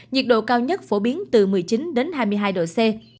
nhiệt độ cao nhất phổ biến từ một mươi chín đến hai mươi hai độ c